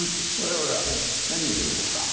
おやおや何見てるんですか？